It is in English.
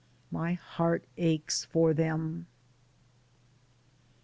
My heart aches for them.